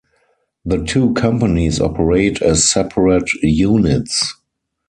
The two companies operate as separate units.